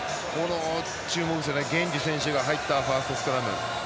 注目していたゲンジ選手が入ったファーストスクラム。